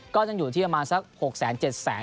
ก็ยังอยู่ที่ประมาณสัก๖๗แสน